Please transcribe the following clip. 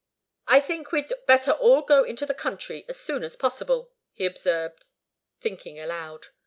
"I think we'd better all go into the country as soon as possible," he observed, thinking aloud.